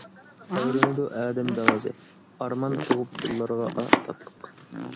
تەۋرىنىدۇ ئادەم دېڭىزى، ئارمان تۇغۇپ دىللارغا تاتلىق.